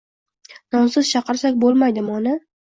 Nonsiz chaqirsak bo'lmaydimi, ona?